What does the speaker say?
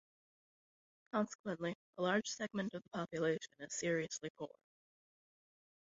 Consequently, a large segment of the population is seriously poor.